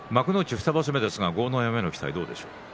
２場所目ですが豪ノ山の期待はどうですか。